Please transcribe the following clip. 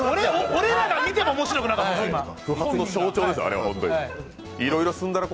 俺らが見てても面白くなかったですから。